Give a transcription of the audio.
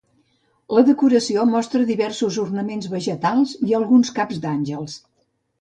La decoració mostra diversos ornaments vegetals i alguns caps d'àngels.